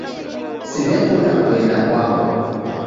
Siw'ekunda kuenda kwaw'o.